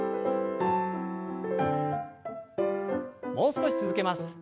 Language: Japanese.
もう少し続けます。